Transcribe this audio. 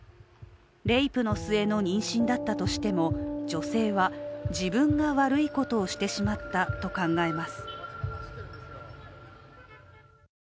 レイプの末の妊娠だっとしても女性は自分が悪いことをしてしまったと考えます。